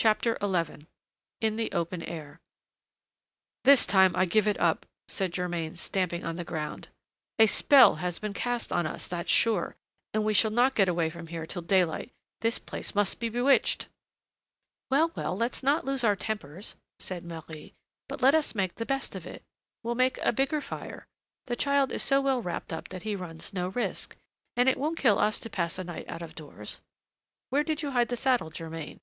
XI IN THE OPEN AIR "This time I give it up!" said Germain, stamping on the ground. "A spell has been cast on us, that's sure, and we shall not get away from here till daylight. This place must be bewitched." "Well, well, let's not lose our tempers," said Marie, "but let us make the best of it. We'll make a bigger fire, the child is so well wrapped up that he runs no risk, and it won't kill us to pass a night out of doors. Where did you hide the saddle, Germain?